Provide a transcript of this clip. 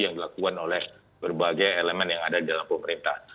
yang dilakukan oleh berbagai elemen yang ada di dalam pemerintah